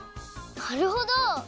なるほど！